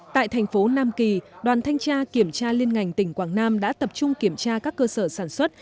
tại thành phố nam kỳ đoàn thanh tra kiểm tra liên ngành tỉnh quảng nam đã tập trung kiểm tra các cơ sở sản xuất